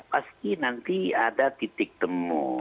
pasti nanti ada titik temu